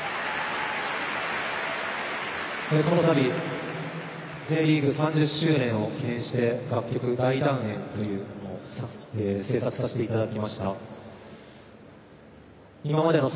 このたび、Ｊリーグ３０周年を記念して楽曲「大団円」という曲を制作させていただきました。